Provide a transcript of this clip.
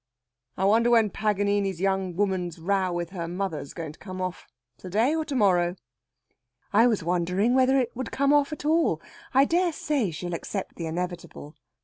"I wonder when Paganini's young woman's row with her mother's going to come off to day or to morrow?" "I was wondering whether it would come off at all. I dare say she'll accept the inevitable."